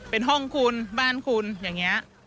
เป็นห้องคุณบ้านคุณอย่างนี้